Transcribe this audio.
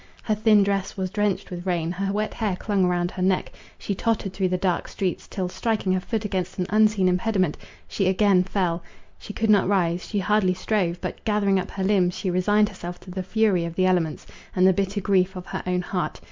Her thin dress was drenched with rain; her wet hair clung round her neck; she tottered through the dark streets; till, striking her foot against an unseen impediment, she again fell; she could not rise; she hardly strove; but, gathering up her limbs, she resigned herself to the fury of the elements, and the bitter grief of her own heart.